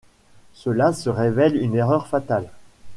Cela se révèle une erreur fatale.